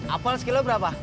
apal skill lu berapa